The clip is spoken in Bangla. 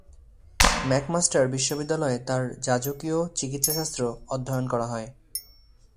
ম্যাকমাস্টার বিশ্ববিদ্যালয়ে তাঁর যাজকীয় চিকিৎসাশাস্ত্র অধ্যয়ন করা হয়।